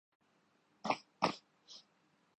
میں بھی اسی سکول میں پڑھتا تھا۔